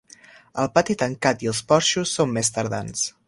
El pati tancat i els porxos són més tardans.